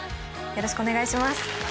よろしくお願いします。